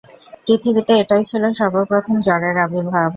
পৃথিবীতে এটাই ছিল সর্বপ্রথম জ্বরের আবির্ভাব।